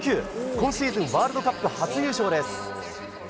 今シーズンワールドカップ初優勝です。